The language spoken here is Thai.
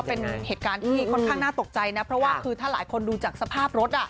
เป็นเหตุการณ์ที่ค่อนข้างน่าตกใจนะเพราะว่าคือถ้าหลายคนดูจากสภาพรถ